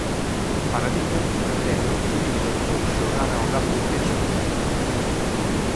Para min é un pracer e un privilexio xogar ao lado de Pesco.